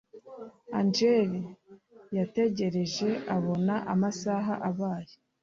Angel yarategereje abona amasaha abaye